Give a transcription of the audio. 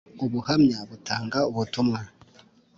Ubuhamya butanga ubutumwa.